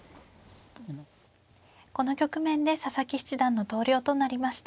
この局面で佐々木七段の投了となりました。